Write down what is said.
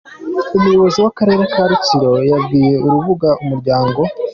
Umuyobozi w’Akarere ka Rutsiro yabwiye urubuga umuryango.